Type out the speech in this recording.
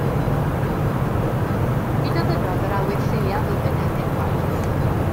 Nid oedd ynof yr awydd lleiaf i fyned i'r gwaith.